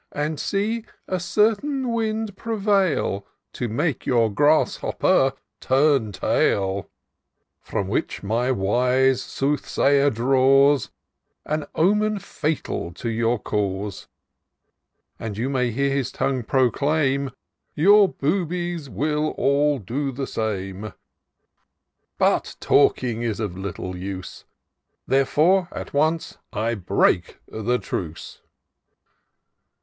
327 And see a certain wind prevail, To make your grasshopper turn tail ; Prom which my wise soothsayer draws An omen fatal to your cause ; And you may hear his tongue proclaim, * Your boobies vnll all do the same/ But talking is of little use — Therefore at once I break the truce.'